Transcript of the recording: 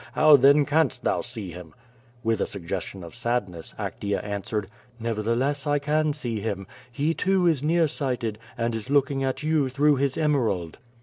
How, then, canst thou see him? With a suggestion of sadness, Actea answered: 'Nevertheless, I can see him. He, too, is near sighted, and is looking at yon through his emerald."